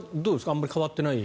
あまり変わってない。